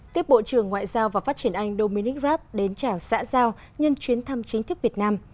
tiếp bộ trưởng ngoại giao và phát triển anh dominic raab đến chào xã giao nhân chuyến thăm chính thức việt nam